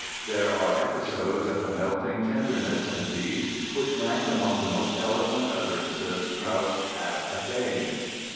There are episodes of a melting tenderness in these which rank among the most eloquent utterances Strauss has attained.